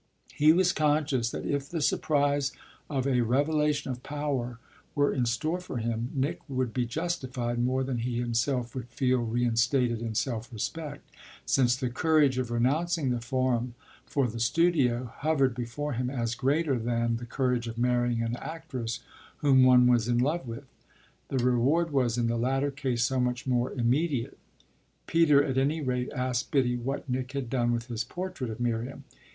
He was conscious that if the surprise of a revelation of power were in store for him Nick would be justified more than he himself would feel reinstated in self respect; since the courage of renouncing the forum for the studio hovered before him as greater than the courage of marrying an actress whom one was in love with: the reward was in the latter case so much more immediate. Peter at any rate asked Biddy what Nick had done with his portrait of Miriam.